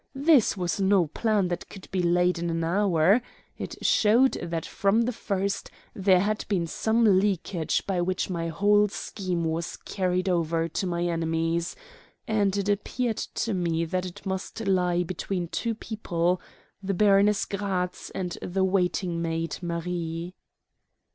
This was no plan that could be laid in an hour. It showed that from the first there had been some leakage by which my whole scheme was carried over to my enemies; and it appeared to me that it must lie between two people, the Baroness Gratz and the waiting maid Marie.